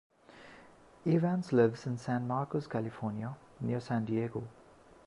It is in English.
Evans lives in San Marcos, California, near San Diego.